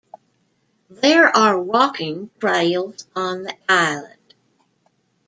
There are walking trails on the island.